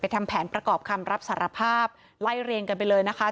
ทำแผนประกอบคำรับสารภาพไล่เรียงกันไปเลยนะคะ